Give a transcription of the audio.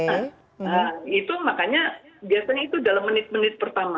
nah itu makanya biasanya itu dalam menit menit pertama